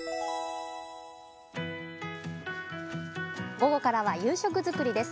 午後からは夕食作りです。